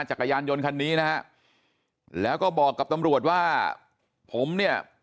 จักรยานยนต์คันนี้นะฮะแล้วก็บอกกับตำรวจว่าผมเนี่ย